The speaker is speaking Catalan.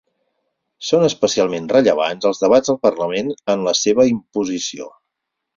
Són especialment rellevants els debats al Parlament en la seva imposició.